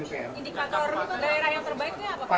indikator untuk daerah yang terbaiknya apa pak